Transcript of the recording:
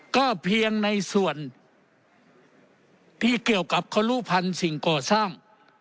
ก็เพียงในส่วนที่เกี่ยวกับเขารู้พันธุ์สิ่งก่อสร้าง